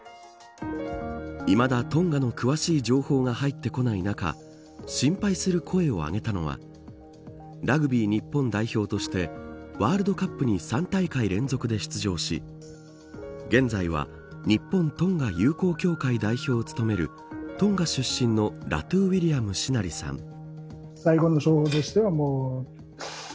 いまだ、トンガの詳しい情報が入ってこない中心配する声を上げたのはラグビー日本代表としてワールドカップに３大会連続で出場し現在は日本トンガ友好協会代表を務めるトンガ出身のラトゥ・ウィリアム志南利さん